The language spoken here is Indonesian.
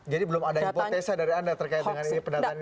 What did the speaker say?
jadi belum ada hipotesa dari anda terkait dengan ini pendataan ini